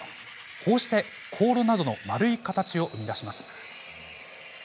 こうして、香炉などの丸い形を生み出します。